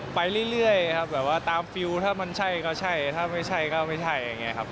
ไปเรื่อยครับแบบว่าตามฟิลถ้ามันใช่ก็ใช่ถ้าไม่ใช่ก็ไม่ใช่อย่างนี้ครับ